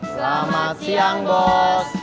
selamat siang bos